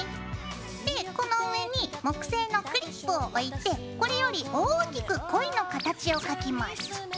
でこの上に木製のクリップを置いてこれより大きくコイの形を描きます。